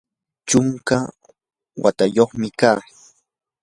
chunka watayuqmi kaa.